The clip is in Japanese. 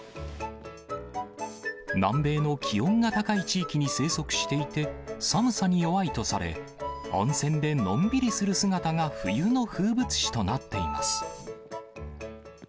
南米の気温が高い地域に生息していて、寒さに弱いとされ、温泉でのんびりする姿が冬の風物詩となっています。